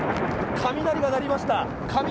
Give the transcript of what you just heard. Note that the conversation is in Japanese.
雷が鳴りました。